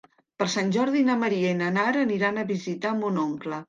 Per Sant Jordi na Maria i na Nara aniran a visitar mon oncle.